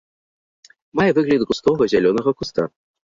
Мае выгляд густога зялёнага куста.